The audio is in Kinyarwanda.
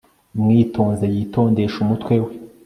Mwitonze yitondeshe umutwe we